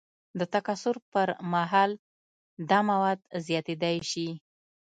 د تکثر پر مهال دا مواد زیاتیدای شي.